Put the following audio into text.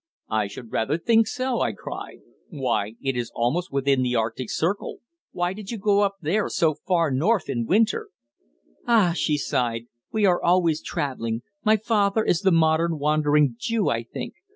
"I should rather think so!" I cried. "Why, it is almost within the Arctic Circle. Why did you go up there so far north in winter?" "Ah!" she sighed, "we are always travelling. My father is the modern Wandering Jew, I think.